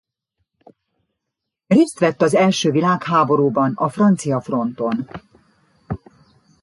Részt vett az első világháborúban a francia fronton.